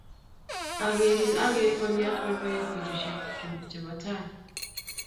Akerin akere konyiat poipoyet petusyek chuk che po tai.